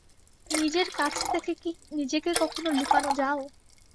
নিজের কাছে থেকে কি নিজেকে কখনও লুকানো যাও?